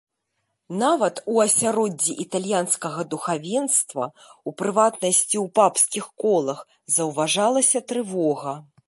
Нават у асяроддзі італьянскага духавенства, у прыватнасці ў папскіх колах, заўважалася трывога.